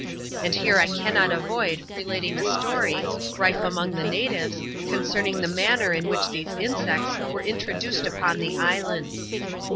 And here I cannot avoid relating a story, rife among the natives, concerning the manner in which these insects were introduced upon the island.